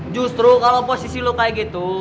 justru kalau posisi lo kayak gitu